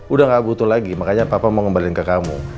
udah gak butuh lagi makanya papa mau ngembarin ke kamu